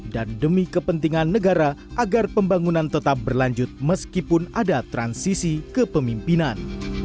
dan demi kepentingan negara agar pembangunan tetap berlanjut meskipun ada transisi ke pemimpinan